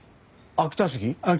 秋田杉。